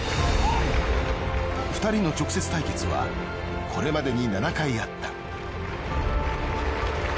２人の直接対決はこれまでに７回あった。